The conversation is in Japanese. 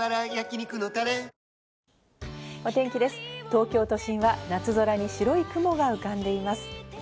東京都心は夏空に白い雲が浮かんでいます。